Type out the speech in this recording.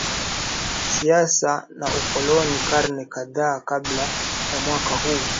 Siasa na Ukoloni Karne kadhaa kabla ya mwaka huu